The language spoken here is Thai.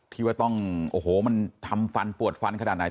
ที่ว่าต้องโอ้โหมันทำฟันปวดฟันขนาดไหน